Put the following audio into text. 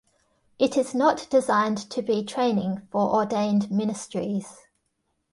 It is not designed to be training for ordained ministries.